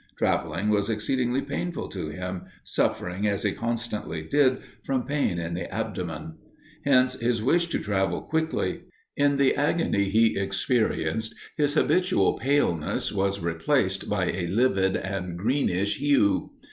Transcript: Travelling was exceedingly painful to him, suffering, as he constantly did, from pain in the abdomen; hence his wish to travel quickly. In the agony he experienced, his habitual paleness was replaced by a livid and greenish hue.